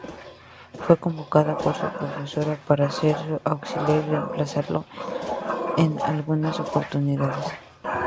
Fue convocada por su profesora para ser su auxiliar y reemplazarla en algunas oportunidades.